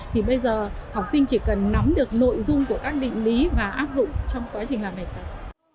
thì bây giờ học sinh chỉ cần nắm được nội dung của các định lý và áp dụng trong quá trình làm bài tập